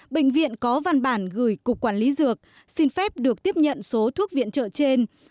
bệnh viện có văn bản gửi cục quản lý dược xin phép được tiếp nhận số thuốc viện trợ trên